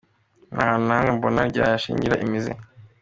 Nta hantu na hamwe mbona ryashingira imizi.